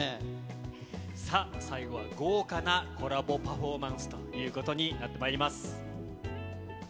さあ、最後は豪華なコラボパフォーマンスということになります。